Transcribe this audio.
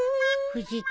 藤木。